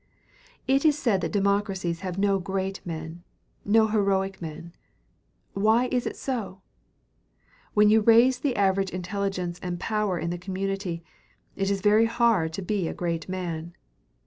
It is said that democracies have no great men, no heroic men. Why is it so? When you raise the average of intelligence and power in the community it is very hard to be a great man.